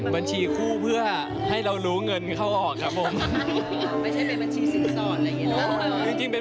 บัญชีคู่เพื่อให้เรารู้เงินเข้าออกครับผม